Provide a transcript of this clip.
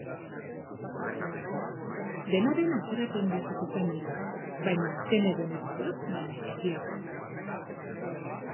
Dena den, atzerapen batzuk izan dira, baina azken egunetakoak baino txikiagoak.